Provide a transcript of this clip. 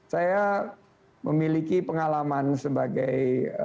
saya memiliki pengalaman sebagai